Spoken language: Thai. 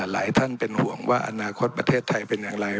หลายท่านเป็นห่วงว่าอนาคตประเทศไทยเป็นอย่างไร